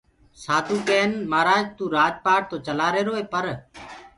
سآڌوٚ ڪين مهآرآج تو رآج پآٽ تو چلآهيروئي پر